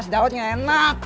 es dawetnya enak